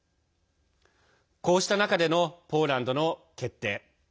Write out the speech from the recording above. こうした中でのポーランドの決定。